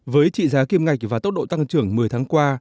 với trị giá kim ngạch và tốc độ tăng trưởng một mươi tháng qua